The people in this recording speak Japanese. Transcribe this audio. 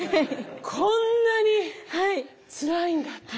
こんなにつらいんだって。